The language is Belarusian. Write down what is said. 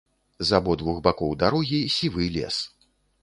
З абодвух бакоў дарогі сівы лес.